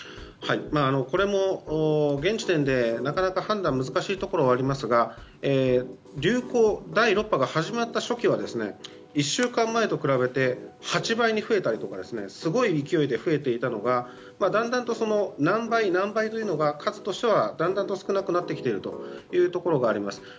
これは現時点でなかなか判断が難しいところはありますが流行、第６波が始まった初期は１週間前と比べて８倍に増えたりとかすごい勢いで増えていたのがだんだんと何倍、何倍というのが数としてはだんだんと少なくなってきているところがあります。